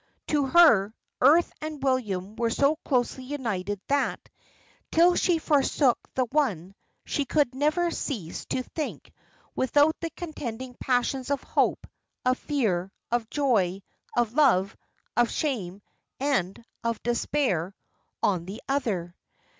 to her, earth and William were so closely united that, till she forsook the one, she could never cease to think, without the contending passions of hope, of fear, of joy, of love, of shame, and of despair, on the other.